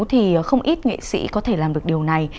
thì không ít nghệ sĩ có thể làm được điều này